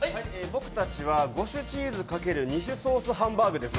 僕たちは５種チーズ×２種ソースハンバーグです。